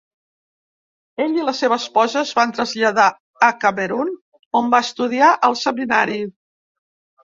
Ell i la seva esposa es van traslladar a Camerun, on va estudiar al seminari.